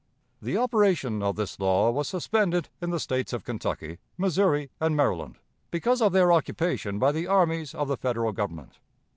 The operation of this law was suspended in the States of Kentucky, Missouri, and Maryland, because of their occupation by the armies of the Federal Government.